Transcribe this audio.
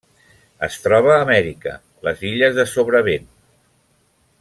Es troba a Amèrica: les illes de Sobrevent.